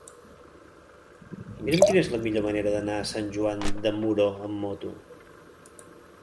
Mira'm quina és la millor manera d'anar a Sant Joan de Moró amb moto.